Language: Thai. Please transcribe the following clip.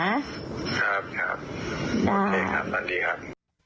ครับครับโอเคครับตอนนี้ครับ